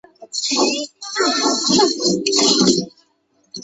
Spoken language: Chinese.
本列表为中华民国驻巴拉圭历任大使名录。